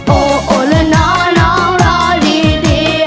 โอ้โอ้เลิกน้องน้องรอดี